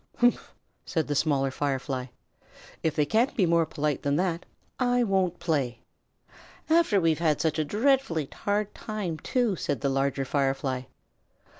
"Humph!" said the Smaller Firefly. "If they can't be more polite than that, I won't play." "After we've had such a dreadfully hard time, too," said the Larger Firefly.